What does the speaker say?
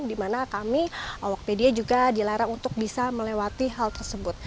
dimana kami awakpedia juga dilarang untuk bisa melewati hal tersebut